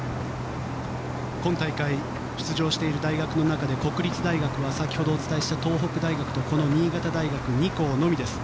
今大会、出場している大学の中で国立大学は先ほどお伝えした東北大学と新潟大学の２校のみです。